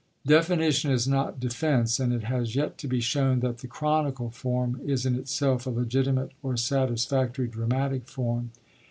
Definition is not defence, and it has yet to be shown that the 'chronicle' form is in itself a legitimate or satisfactory dramatic form.